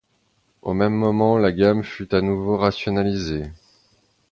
Au même moment, la gamme fut à nouveau rationalisée.